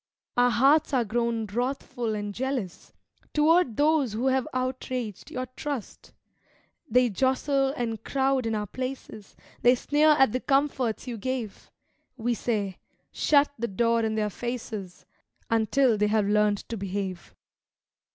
Our hearts are grown wrathful and jealous Toward those who have outraged your trust. They jostle and crowd in our places, They sneer at the comforts you gave. We say, shut the door in their faces Until they have learned to behave!